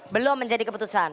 belum menjadi keputusan